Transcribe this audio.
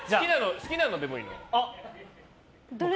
好きなのでもいいの？